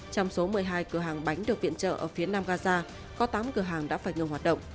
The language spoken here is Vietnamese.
trong số một mươi hai cửa hàng bánh được viện trợ ở phía nam gaza có tám cửa hàng đã phải ngừng hoạt động